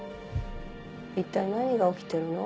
一体何が起きてるの？